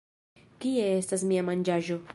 Kie estas mia manĝaĵo!